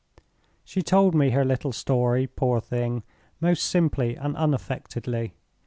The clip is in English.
"She told me her little story, poor thing, most simply and unaffectedly.